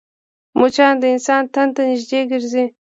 مچان د انسان تن ته نږدې ګرځي